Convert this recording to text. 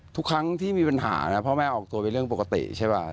ทุกครั้งที่มีปัญหานะพ่อแม่ออกตัวเป็นเรื่องปกติใช่ป่ะ